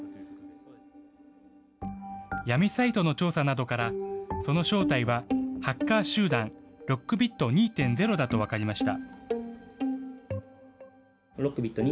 闇サイトの調査などから、その正体はハッカー集団、Ｌｏｃｋｂｉｔ２．０だと分かりました。